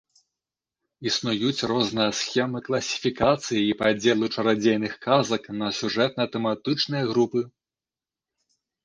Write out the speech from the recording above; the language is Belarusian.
Існуюць розныя схемы класіфікацыі і падзелу чарадзейных казак на сюжэтна-тэматычныя групы.